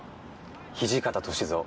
土方歳三。